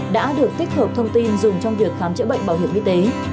đã được tích hợp thông tin dùng trong việc khám chữa bệnh bảo hiểm y tế